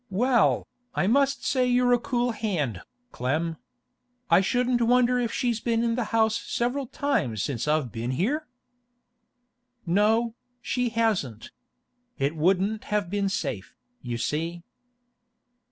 Well, I must say you're a cool band, Clem. I shouldn't wonder if she's been in the house several times since I've been here?' 'No, she hasn't. It wouldn't have been safe, you see.